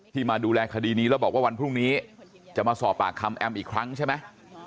มาดูแลคดีนี้แล้วบอกว่าวันพรุ่งนี้จะมาสอบปากคำแอมอีกครั้งใช่ไหม